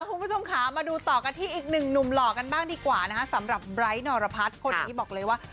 คุณผู้ชมค่ะมาดูต่อกันที่อีกหนึ่งหนุ่มหล่อกันบ้างดีกว่านะคะสำหรับไบร์ทนรพัฒน์คนนี้บอกเลยว่า